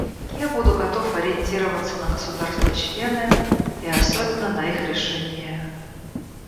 Я буду готов ориентироваться на государства-члены, и особенно на их решения.